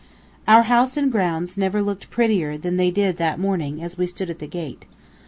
Our house and grounds never looked prettier than they did that morning, as we stood at the gate.